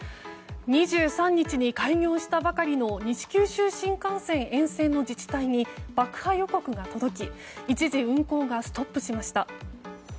２３日に開業したばかりの西九州新幹線沿線の自治体に爆破予告が届き、一時運行がストップしました。